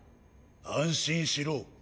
安心しろ。